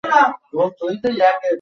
তুমি এভাবে বাজানো কোথা থেকে শিখলে?